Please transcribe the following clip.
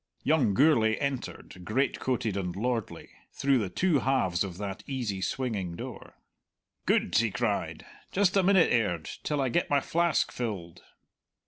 Young Gourlay entered, greatcoated and lordly, through the two halves of that easy swinging door. "Good!" he cried. "Just a minute, Aird, till I get my flask filled."